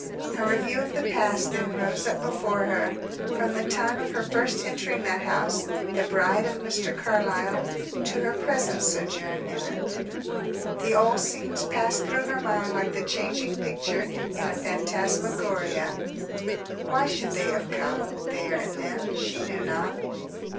A review of the past then rose up before her, from the time of her first entering that house, the bride of Mr. Carlyle, to her present sojourn in it. The old scenes passed through her mind like the changing picture in a phantasmagoria. Why should they have come, there and then? She knew not.